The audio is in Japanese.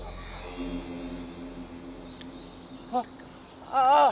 あっあぁ！